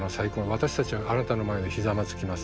「私たちはあなたの前でひざまずきます」。